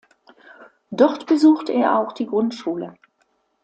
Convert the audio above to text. Dort besuchte er auch die Grundschule.